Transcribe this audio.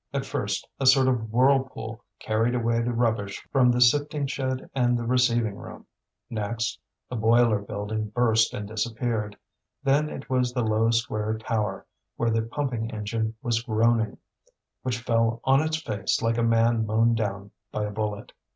At first a sort of whirlpool carried away the rubbish from the sifting shed and the receiving room. Next, the boiler building burst and disappeared. Then it was the low square tower, where the pumping engine was groaning, which fell on its face like a man mown down by a bullet.